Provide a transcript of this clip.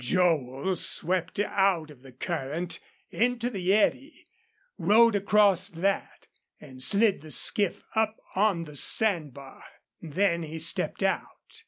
Joel swept out of the current into the eddy, rowed across that, and slid the skiff up on the sand bar. Then he stepped out.